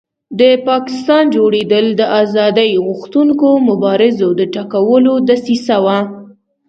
د پاکستان جوړېدل د آزادۍ غوښتونکو مبارزو د ټکولو دسیسه وه.